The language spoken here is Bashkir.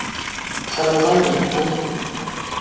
Һырылған юрған